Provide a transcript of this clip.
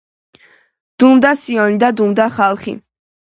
დუმდა სიონი და დუმდა ხალხი.